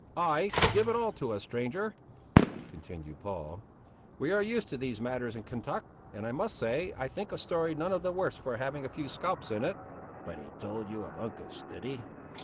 "Ay, give it all to us, stranger," continued Paul; "we are used to these matters in Kentuck, and, I must say, I think a story none the worse for having a few scalps in it!" "But he told you of Uncas, did he?"